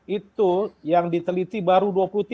itu yang diteliti baru dua puluh tiga